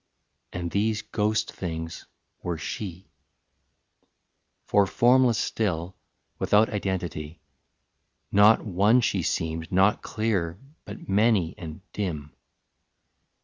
And these ghost things were she; For formless still, without identity, Not one she seemed, not clear, but many and dim.